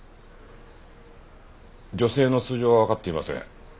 女性の素性はわかっていません。